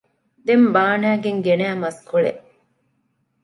ދެންމެ ބާނައިގެން ގެނައި މަސްކޮޅެއް